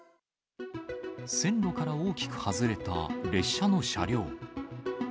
線路から大きく外れた列車の車両。